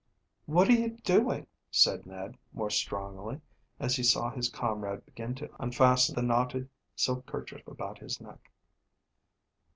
"What are you doing?" said Ned, more strongly, as he saw his comrade begin to unfasten the knotted silk kerchief about his neck.